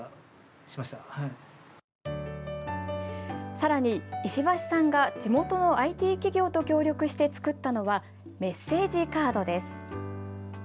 さらに石橋さんが地元のＩＴ企業と協力して作ったのはメッセージカードです。